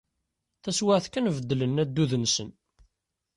Taswiɛt kan, beddlen addud-nsen.